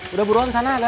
udah buruan sana ada